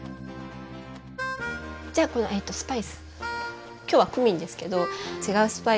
じゃあこのスパイス。